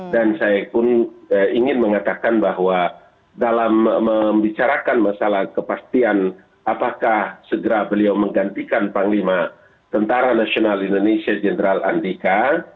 dan saya pun ingin mengatakan bahwa dalam membicarakan masalah kepastian apakah segera beliau menggantikan panglima tni jenderal andika